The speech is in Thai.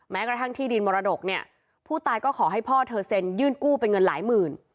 กระทั่งที่ดินมรดกเนี่ยผู้ตายก็ขอให้พ่อเธอเซ็นยื่นกู้เป็นเงินหลายหมื่น